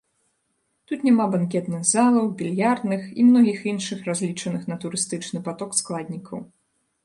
Тут няма банкетных залаў, більярдных і многіх іншых разлічаных на турыстычны паток складнікаў.